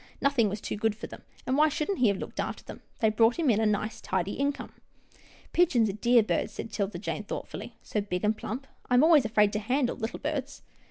Nothing was too good for them, and why shouldn't he have looked after them? They brought him in a nice, tidy income." " Pigeons are dear birds," said 'Tilda Jane, thoughtfully, " so big and plump. I am always afraid to handle little birds."